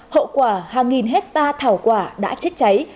hậu quả hàng nghìn hectare thảo quả đã chết cháy